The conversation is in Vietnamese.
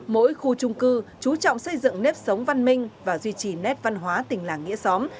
mỗi khu trung cư chú trọng xây dựng nếp sống văn minh và duy trì nét văn hóa tình làng nghĩa xóm